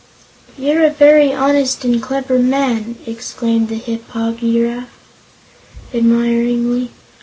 "You're a very honest and clever man!" exclaimed the Hip po gy raf, admiringly.